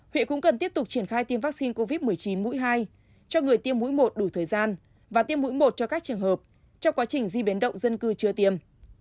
huyện cũng cần tiếp tục triển khai tiêm vaccine covid một mươi chín mũi hai cho người tiêm mũi một đủ thời gian và tiêm mũi một cho các trường hợp trong quá trình di biến động dân cư chưa tiêm